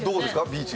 ビーチ。